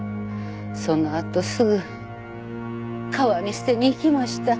そのあとすぐ川に捨てに行きました。